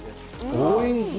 おいしい。